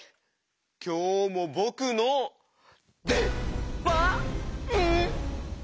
きょうもぼくのでばん？